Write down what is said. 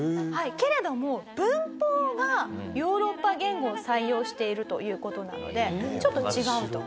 けれども文法がヨーロッパ言語を採用しているという事なのでちょっと違うと。